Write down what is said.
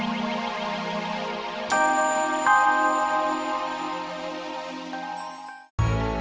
terimakasih sudah dengan kami di lbc